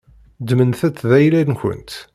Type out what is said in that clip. Ddmemt-tt d ayla-nkent.